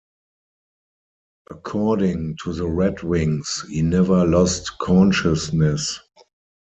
According to the Red Wings, he never lost consciousness.